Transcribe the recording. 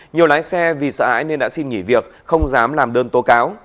nhiều lái xe vì sợ ái nên đã xin nghỉ việc không dám làm đơn tố cáo